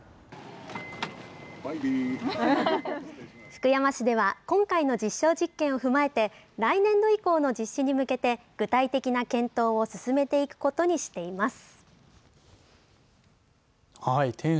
福山市では今回の実証実験を踏まえて来年度以降の実施に向けて具体的な検討を進めていくことにしています。